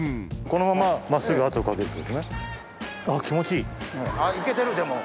このまま真っすぐ圧をかけるってことですね。